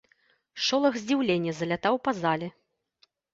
Шолах здзіўлення залятаў па зале.